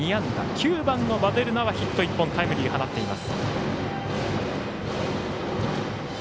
９番のヴァデルナはヒット１本タイムリーを放っています。